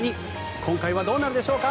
今回はどうなるでしょうか。